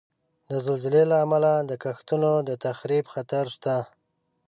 د زلزلې له امله د کښتونو د تخریب خطر شته.